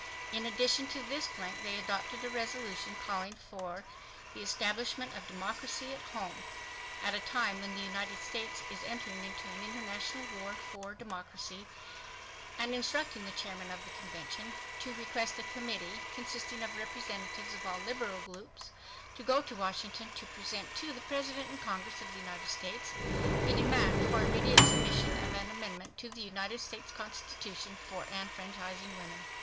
." In addition to this plank they adopted a resolution calling for the establishment of democracy at home "at a time when the United States is entering into an international war for democracy" and instructing the chairman of the convention "to request a committee consisting of representatives of all liberal groups to go to Washington to present to the President and the Congress of the United States a demand for immediate submission of an amendment to the United States constitution enfranchising women."